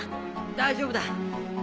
大丈夫だ。